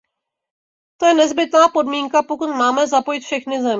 To je nezbytná podmínka, pokud máme zapojit všechny země.